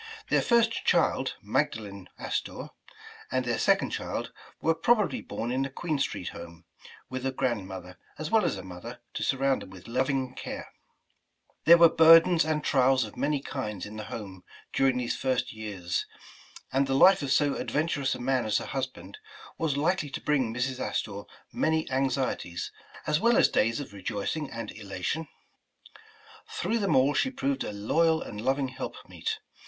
Their first child, Magdalen Astor, and their second child, were probably born in the Queen Street home, with a grandmother, as well as a mother, to surround them with loving care. There were burdens and trials of many kinds in the home during these first years, and the life of so adventurous a man as her husband, was likely to bring Mrs. Astor many anxieties, as well as days of rejoicing and elation. 81 The Original John Jacob Astor Through them all she proved a loyal and loving help meet.